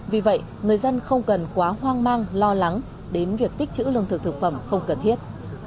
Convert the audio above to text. vì vậy người dân không cần quá hoang mang lo lắng đến việc tích chữ lương thực thực phẩm không cần thiết